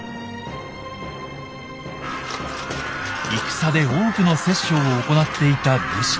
戦で多くの殺生を行っていた武士。